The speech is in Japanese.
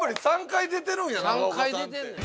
３回出てるんで。